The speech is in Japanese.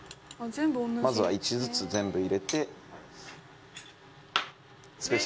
まずは１ずつ全部入れて。